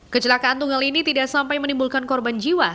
kecelakaan tunggal ini tidak sampai menimbulkan korban jiwa